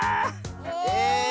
え